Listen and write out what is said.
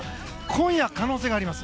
今夜、可能性があります。